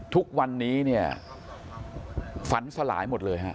ทุกวันนี้เนี่ยฝันสลายหมดเลยฮะ